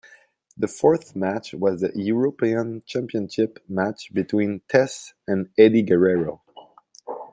The fourth match was the European Championship match between Test and Eddie Guerrero.